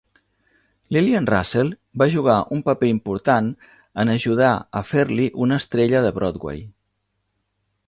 Lillian Russell va jugar un paper important en ajudar a fer-li una estrella de Broadway.